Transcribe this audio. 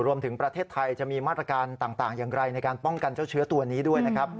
รวมถึงประเทศไทยจะมีมาตรการต่างอย่างไรในการป้องกันเจ้าเชื้อตัวนี้ด้วยนะครับ